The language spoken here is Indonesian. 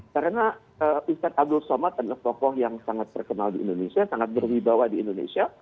karena ustadz abdul somad adalah tokoh yang sangat terkenal di indonesia sangat berwibawa di indonesia